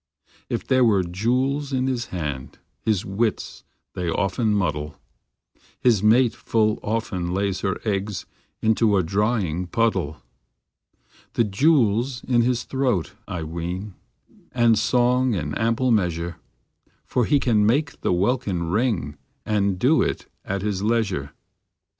If there are jewels in his head, His wits they often muddle, His mate full often lays her eggs Into a drying puddle. The jewel s in his throat, I ween, And song in ample measure, For he can make the welkin ring, And do it at his leisure.